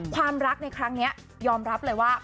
ความรักในครั้งนี้ยอมรับเลยว่า